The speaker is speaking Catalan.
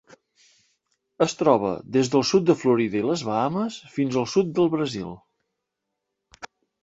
Es troba des del sud de Florida i les Bahames fins al sud del Brasil.